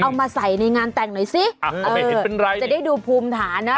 เอามาใส่ในงานแต่งหน่อยซิเออจะได้ดูภูมิฐานนะ